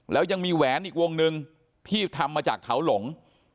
แล้วยังมีแหวนอีกวงหนึ่งที่ทำมาจากเถาหลง